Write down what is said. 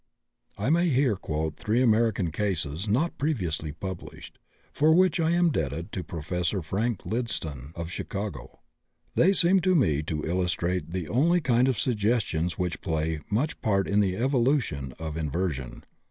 I may here quote three American cases (not previously published), for which I am indebted to Prof. G. Frank Lydston, of Chicago. They seem to me to illustrate the only kind of suggestions which play much part in the evolution of inversion.